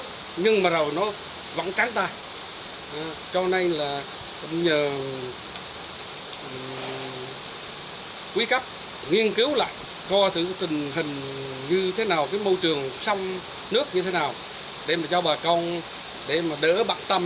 cái môi trường sông nước như thế nào để mà cho bà con để mà đỡ bạc tâm